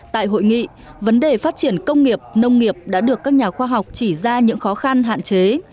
tại hội nghị vấn đề phát triển công nghiệp nông nghiệp đã được các nhà khoa học chỉ ra những khó khăn hạn chế